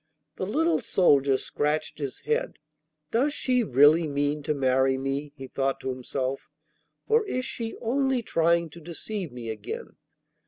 The little soldier scratched his head. 'Does she really mean to marry me,' he thought to himself, 'or is she only trying to deceive me again?